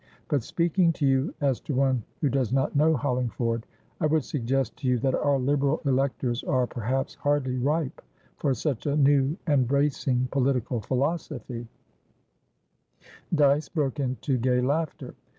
But, speaking to you as to one who does not know Hollingford, I would suggest to you that our Liberal electors are perhaps hardly ripe for such a new and bracing political philosophy" Dyce broke into gay laughter.